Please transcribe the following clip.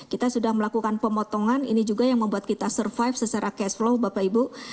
kita sudah melakukan pemotongan ini juga yang membuat kita survive secara cash flow bapak ibu